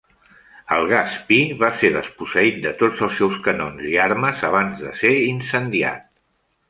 El Gaspee va ser desposseït de tots els seus canons i armes, abans de ser incendiat.